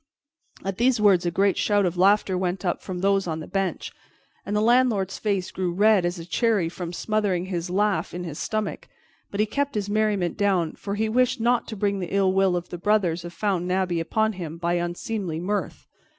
At these words a great shout of laughter went up from those on the bench, and the landlord's face grew red as a cherry from smothering his laugh in his stomach; but he kept his merriment down, for he wished not to bring the ill will of the brothers of Fountain Abbey upon him by unseemly mirth.